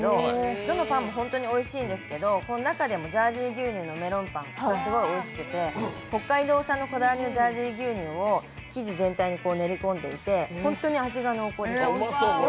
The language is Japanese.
どのパンも本当においしいんですけど、中でもジャージー牛乳のメロンパンがすごいおいしくて、北海道産のこだわりのジャージー牛乳を生地全体に練り込んでいて本当に味が濃厚です